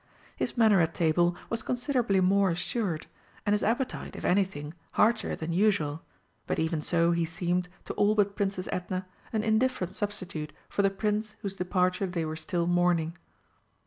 His manner at table was considerably more assured, and his appetite, if anything, heartier than usual, but even so he seemed, to all but Princess Edna, an indifferent substitute for the Prince whose departure they were still mourning.